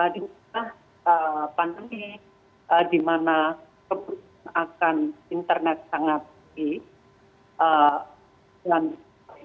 di tengah pandemi di mana kebutuhan akan internet sangat tinggi